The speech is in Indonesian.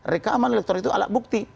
rekaman elektor itu alat bukti